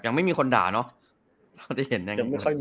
ยังไม่มีคนด่าเนาะ